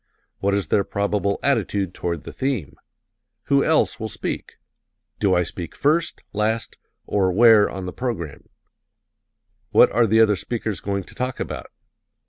What is their probable attitude toward the theme? Who else will speak? Do I speak first, last, or where, on the program? What are the other speakers going to talk about?